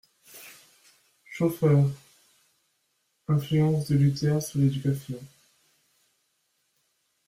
(Schoeffer, Influence de Luther sur l'éducation).